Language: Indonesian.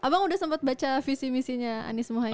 abang udah sempet baca visi misinya anies muhaimin